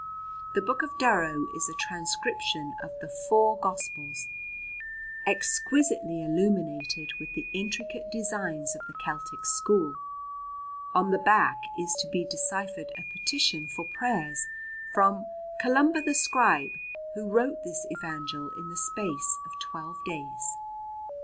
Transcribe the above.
The "Book of Durrow" is a transcription of the four Gospels, exquisitely illuminated with the intricate designs of the Celtic school. On the back is to be deciphered a petition for prayers from "Columba the scribe, who wrote this evangel in the space of twelve days."